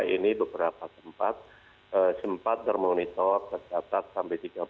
ini beberapa tempat sempat termonitor tercatat sampai tiga puluh